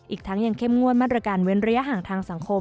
อีกทั้งยังเข้มงวดมาตรการเว้นระยะห่างทางสังคม